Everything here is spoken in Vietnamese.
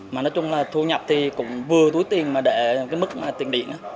mà nói chung là thu nhập thì cũng vừa túi tiền mà để cái mức tiền điện đó